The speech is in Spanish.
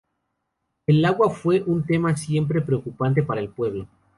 El agua fue un tema siempre preocupante para el pueblo.